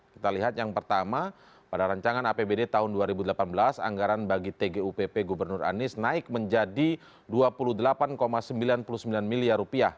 kita lihat yang pertama pada rancangan apbd tahun dua ribu delapan belas anggaran bagi tgupp gubernur anies naik menjadi rp dua puluh delapan sembilan puluh sembilan miliar